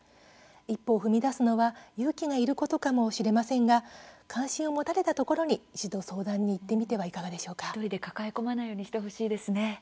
一歩を踏み出すのは勇気がいることかもしれませんが関心を持たれたところに一度、相談に行ってみては１人で抱え込まないようにしてほしいですね。